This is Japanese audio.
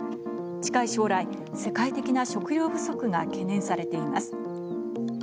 近い将来、世界的な食料不足が懸念されています。